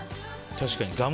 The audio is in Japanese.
確かに。